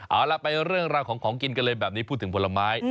เอาล่ะไปเรื่องราวของของกินกันเลยแบบนี้พูดถึงผลไม้